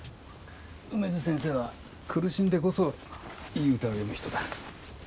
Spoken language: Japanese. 梅津先生は苦しんでこそいい歌を詠む人だ。